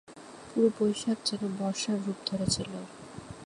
পুরো বৈশাখ যেন বর্ষার রূপ ধরেছিল।